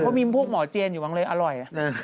เพราะมีผู้หมอเจนอยู่บ้างเลยอร่อย